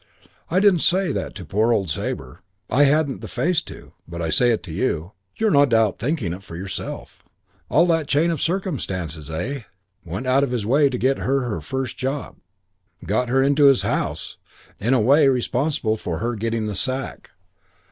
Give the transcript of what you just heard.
I didn't say that to poor old Sabre. I hadn't the face to. But I say it to you. You're no doubt thinking it for yourself. All that chain of circumstances, eh? Went out of his way to get her her first job. Got her into his house. In a way responsible for her getting the sack.